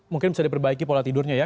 mungkin bisa diperbaiki pola tidurnya ya